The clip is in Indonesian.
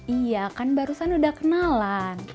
iya kan barusan udah kenalan